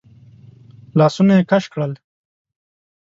لاسونه يې کش کړل.